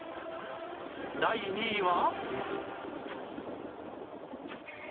第２位は